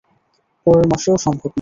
পরের মাসেও সম্ভব না।